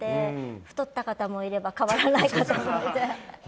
太った方もいれば変わらない方もいて。